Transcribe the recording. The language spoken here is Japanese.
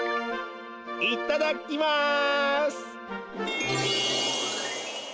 いただきます！